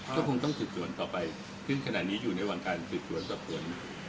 ก็คงต้องสืบสวนต่อไปขึ้นขนาดนี้อยู่ในวังการราชส่วนกัน